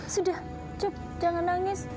sudah jangan nangis